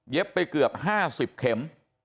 เย็บไปเกือบ๕๐เค็ม